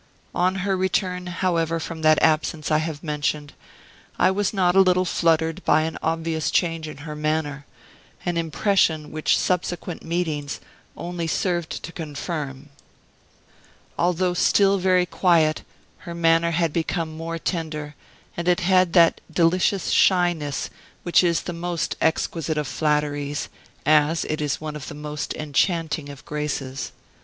"On her return, however, from that absence I have mentioned, I was not a little fluttered by an obvious change in her manner; an impression which subsequent meetings only served to confirm. Although still very quiet, her manner had become more tender, and it had that delicious shyness which is the most exquisite of flatteries, as it is one of the most enchanting of graces.